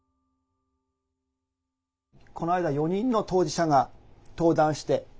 この間４人の当事者が登壇して。